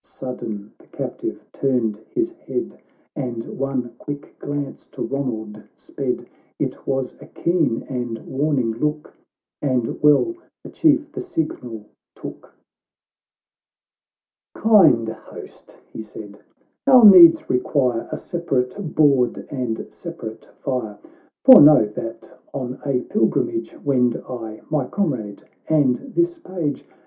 "— Sudden the captive turned his head, And one quick glance to Ronald sped. It was a keen and warning look, And well the Chief the signal took. " Kind host," he said, " our needs require A separate board and separate fire ; For know, that on a pilgrimage "Wend I, my comrade, and this page.